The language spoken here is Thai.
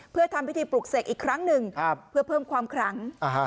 เพื่อทำพิธีปลูกเสกอีกครั้งหนึ่งครับเพื่อเพิ่มความครั้งอ่าฮะ